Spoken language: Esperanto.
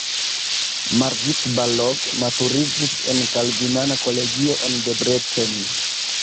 Margit Balog maturiĝis en kalvinana kolegio en Debrecen.